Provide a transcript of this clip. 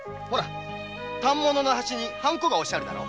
反物の端にハンコが押してあるだろ。